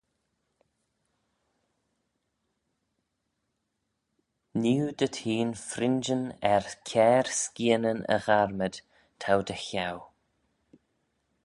Nee oo dhyt hene fringeyn er kiare skianyn y gharmad t'ou dy cheau.